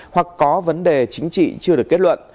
hoặc có vấn đề chính trị chưa được kết luận